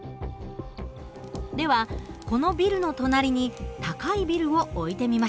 ではこのビルの隣に高いビルを置いてみましょう。